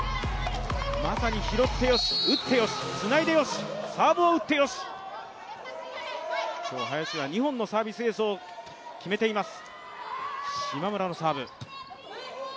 まさに拾ってよし打ってよし、つないでよしサーブを打ってよし、今日林は２本のサービスエースを決めています。